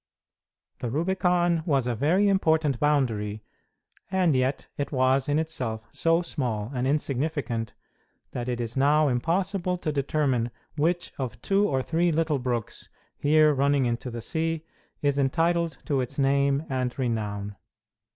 The Rubicon was a very important boundary, and yet it was in itself so small and insignificant that it is now impossible to determine which of two or three little brooks here running into the sea is entitled to its name and renown.